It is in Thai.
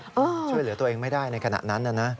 ช่วยเหลือตัวเองไม่ได้ในขณะนั้นนะ